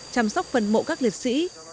chăm sóc phần mộ các liệt sĩ